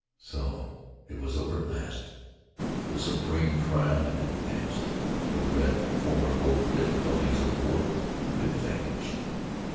So it was all over at last! The supreme trial had been passed. The red, formidable difficulties of war had been vanquished.